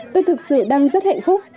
tôi thực sự đang rất hạnh phúc